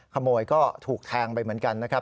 ขโมยก็ถูกแทงไปเหมือนกันนะครับ